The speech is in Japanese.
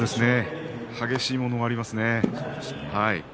激しいものがありますね。